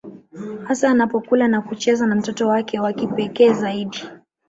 Hasa anapokula na kucheza na mtoto wake wa kipekee zaidi